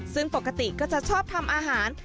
ซึ่งปกติก็จะชอบทำอาหาร